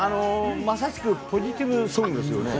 まさしくポジティブソングですよね。